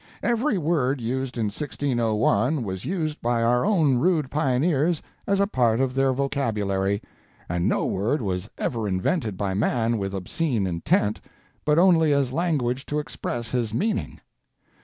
Every word used in 1601 was used by our own rude pioneers as a part of their vocabulary and no word was ever invented by man with obscene intent, but only as language to express his meaning.